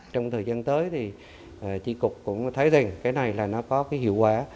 trong thời gian tới thì chị cục cũng thấy rằng cái này là nó có hiệu quả